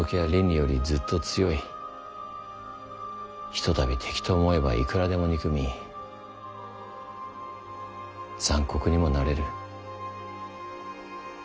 ひとたび敵と思えばいくらでも憎み残酷にもなれる。